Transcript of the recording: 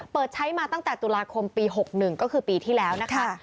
เปิดใช้มาตั้งแต่ตุลาคมปี๖๑ก็คือปีที่แล้วนะคะ